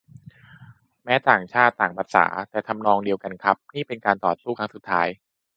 แม้ต่างชาติต่างภาษา แต่ทำนองเดียวกันครับ นี่เป็นการต่อสู้ครั้งสุดท้าย